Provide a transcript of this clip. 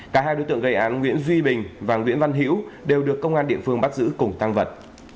cả hai đối tượng gây án nguyễn duy bình và nguyễn văn hữu đều được công an địa phương bắt giữ cùng tăng vật